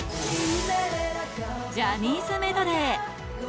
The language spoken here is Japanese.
ジャニーズメドレー。